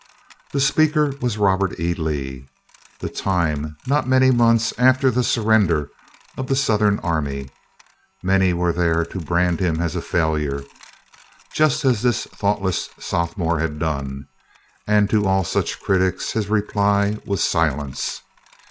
The speaker was Robert E. Lee the time not many months after the surrender of the Southern army. Many were there to brand him as a "failure," just as this thoughtless sophomore had done, and to all such critics his reply was silence.